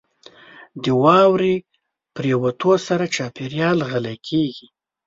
• د واورې پرېوتو سره چاپېریال غلی کېږي.